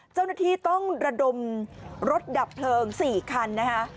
เจ้าหน้าที่ต้องระดมรถดับเพลิง๔คันนะคะ